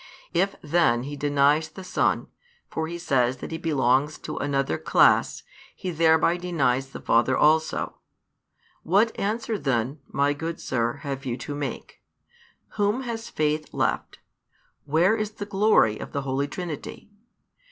If then he denies the Son, for he says that He belongs to another class, he thereby denies the Father also. What answer then, my good Sir, have you to make? Whom has faith left? Where is the glory of the Holy Trinity?